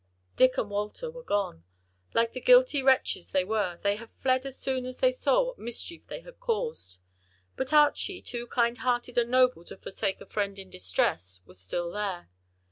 Dick and Walter were gone; like the guilty wretches they were, they had fled as soon as they saw what mischief they had caused. But Archie too kind hearted and noble to forsake a friend in distress, was still there.